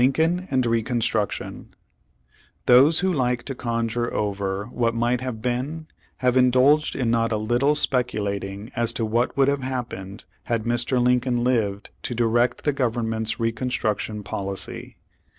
imCOLU AIJD EECONSTETJCTION Those who like to conjure over what might have been, have indulged in not a little speculating as to what would have happened had Mr, Lincoln lived to direct the Government's reconstruction policy.